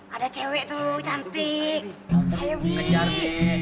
ada cewek tuh cantik